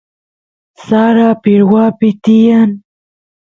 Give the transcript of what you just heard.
sara pirwapi tiyan